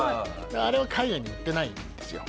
あれは海外には売ってないんですよ。